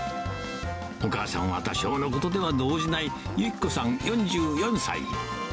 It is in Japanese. お母さんは多少のことでは動じない由希子さん４４歳。